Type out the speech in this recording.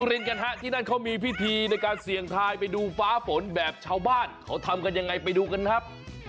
รินกันฮะที่นั่นเขามีพิธีในการเสี่ยงทายไปดูฟ้าฝนแบบชาวบ้านเขาทำกันยังไงไปดูกันครับ